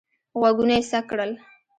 غوږونه یې څک کړل.